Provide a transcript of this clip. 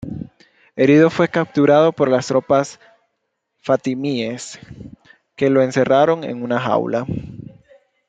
Herido, fue capturado por las tropas fatimíes, que lo encerraron en una jaula.